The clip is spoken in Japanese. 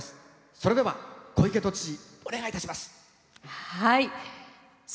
それでは小池都知事お願いいたします。